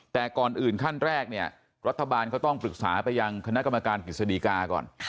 แต่ก่อนอื่นขั้นแรกเนี่ยรัฐบาลเขาต้องปรึกษาไปยังคณะกรรมการกฤษฎีกาก่อน